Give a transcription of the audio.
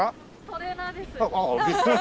トレーナーです。